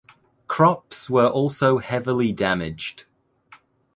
Crops were also heavily damaged.